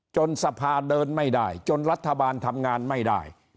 สภาเดินไม่ได้จนรัฐบาลทำงานไม่ได้